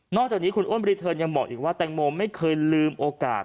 จากนี้คุณอ้วนรีเทิร์นยังบอกอีกว่าแตงโมไม่เคยลืมโอกาส